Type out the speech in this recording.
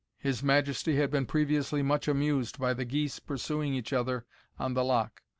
His Majesty had been previously much amused by the geese pursuing each other on the Loch.